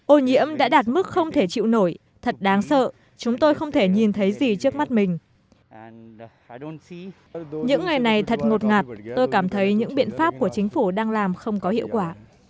ô nhiễm đã đạt mức không thể chịu nổi thật đáng sợ chúng tôi không thể nhìn thấy gì trước mắt mình những ngày này thật ngột ngạt tôi cảm thấy những biện pháp của chính phủ đang làm không có hiệu quả